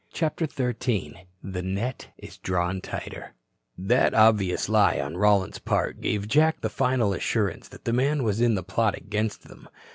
CHAPTER XIII THE NET IS DRAWN TIGHTER That obvious lie on Rollins's part gave Jack the final assurance that the man was in the plot against them.